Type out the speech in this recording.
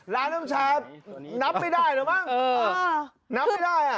ร้านน้ำชาตินับไม่ได้หรือเปล่านับไม่ได้